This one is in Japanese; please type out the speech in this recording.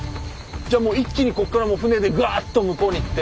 じゃもう一気にここからもう船でガッと向こうに行って。